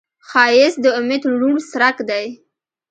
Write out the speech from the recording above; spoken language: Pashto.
ښایست د امید روڼ څرک دی